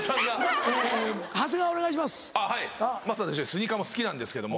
スニーカーも好きなんですけども。